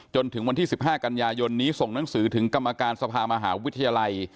จนถึงวันที่๑๕กันยายนนี้ส่งหนังสือถึงกรรมการสภามหาวิทยาลัย